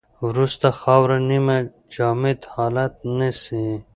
وروسته خاوره نیمه جامد حالت نیسي